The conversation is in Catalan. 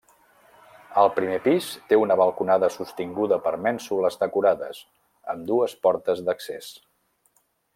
El primer pis té una balconada sostinguda per mènsules decorades, amb dues portes d'accés.